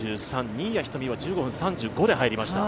新谷仁美は１５分３５で入りました。